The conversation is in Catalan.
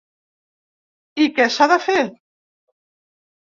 I què s’ha de fer?